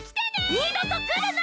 二度と来るな！